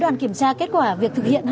đoàn kiểm tra kết quả việc thực hiện